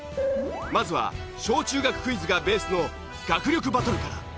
まずは小中学クイズがベースの学力バトルから。